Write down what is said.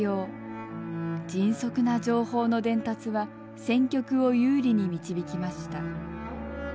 迅速な情報の伝達は戦局を有利に導きました。